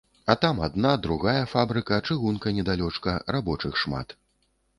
А там адна, другая фабрыка, чыгунка недалёчка, рабочых шмат.